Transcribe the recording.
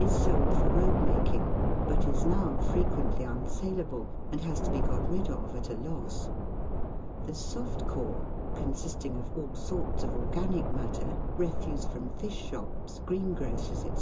is sold for road making, but is now frequently unsaleable, and has to be got rid of at a loss. The "soft core," consisting of all sorts of organic matter, refuse from fish shops, green grocers, c.